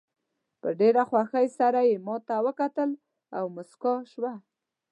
په ډېره خوښۍ سره یې ماته وکتل او موسکاه شوه.